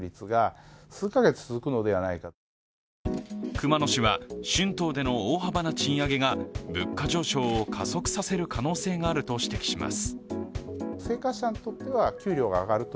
熊野氏は春闘での大幅な賃上げが物価上昇を加速させる可能性があると指摘します。